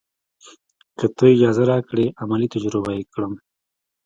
که تۀ اجازه راکړې عملي تجربه یې کړم.